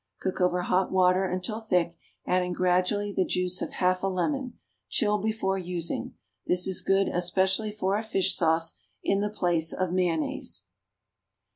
Cook over hot water until thick, adding gradually the juice of half a lemon. Chill before using. This is good, especially for a fish salad, in the place of mayonnaise.